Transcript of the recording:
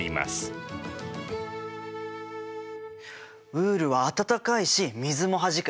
ウールは暖かいし水もはじく。